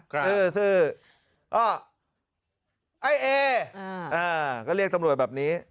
ครับชื่ออ่ะไอ้เออ่าก็เรียกตำรวจแบบนี้